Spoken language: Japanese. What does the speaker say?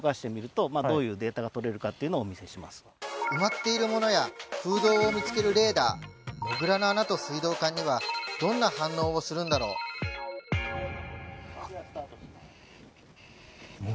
埋まっているものや空洞を見つけるレーダーモグラの穴と水道管にはどんな反応をするんだろうそれではスタートします